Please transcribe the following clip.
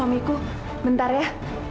suamiku bentar ya